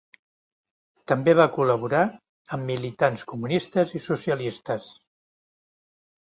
També va col·laborar amb militants comunistes i socialistes.